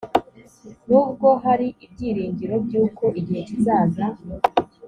nubwo hari ibyiringiro by uko igihe kizaza